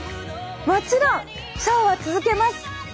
もちろんショーは続けます。